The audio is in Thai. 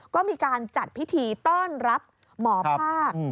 ก็มีการจัดพิธีต้อนรับหมอภาค